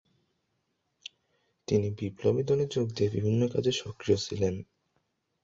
তিনি বিপ্লবী দলে যোগ দিয়ে বিভিন্ন কাজে সক্রিয় ছিলেন।